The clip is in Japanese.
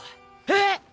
えっ！？